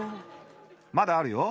まだあるよ。